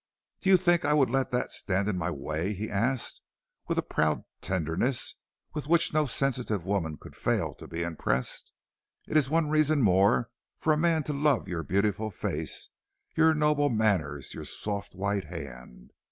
"Did you think I would let that stand in my way?" he asked, with a proud tenderness with which no sensitive woman could fail to be impressed. "It is one reason more for a man to love your beautiful face, your noble manners, your soft white hand.